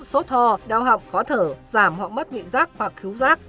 số thò đau học khó thở giảm hoặc mất vị giác hoặc cứu giác